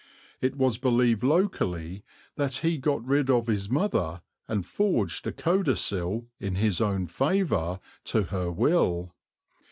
It was believed locally that he got rid of his mother and forged a codicil in his own favour to her will.